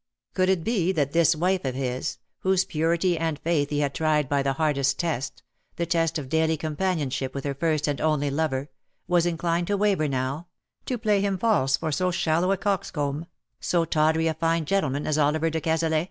Could it be that this wife of his, whose purity and faith he had tried by the hardest test — the test of daily companionship with her first and only lover — was inclined to waver now — to play him false for so shallow a coxcomb, so tawdry a fine gentleman as Oliver de Cazalet.